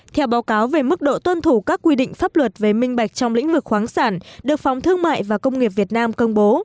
theo báo cáo về mức độ tuân thủ các quy định pháp luật về minh bạch trong lĩnh vực khoáng sản được phóng thương mại và công nghiệp việt nam công bố